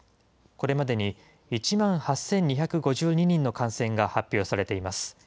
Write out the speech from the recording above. これまでに１万８２５２人の感染が発表されています。